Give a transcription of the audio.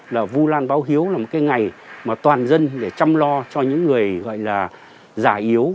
là vu lan báo hiếu là một cái ngày mà toàn dân để chăm lo cho những người gọi là già yếu